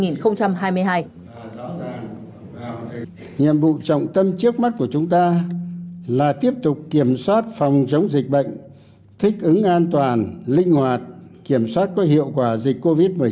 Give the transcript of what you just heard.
nhiệm vụ trọng tâm trước mắt của chúng ta là tiếp tục kiểm soát phòng chống dịch bệnh thích ứng an toàn linh hoạt kiểm soát có hiệu quả dịch covid một mươi chín